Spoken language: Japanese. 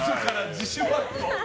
自主バッド。